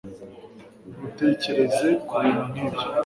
ntutekereze kubintu nkibyo